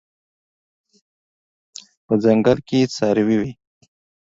په ځنګل کې څاروي وي